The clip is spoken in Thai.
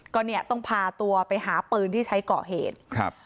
ก็เนี่ยต้องพาตัวไปหาปืนที่ใช้ก่อเหตุครับ